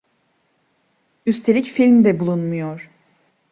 Üstelik film de bulunmuyor.